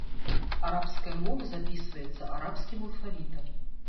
Арабская мова запісваецца арабскім алфавітам.